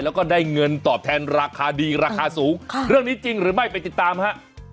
แล้วก็ได้เงินตอบแทนราคาดีราคาสูงเรื่องนี้จริงหรือไม่ไปติดตามฮะ